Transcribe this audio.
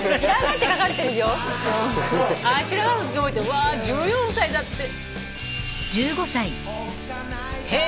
わ１４歳だって。